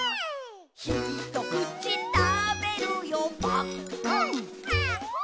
「ひとくちたべるよぱっくん」くん！